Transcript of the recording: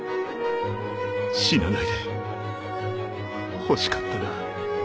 死なないでほしかったなぁ